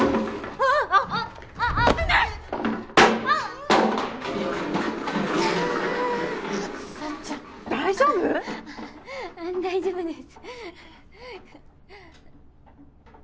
あ大丈夫です。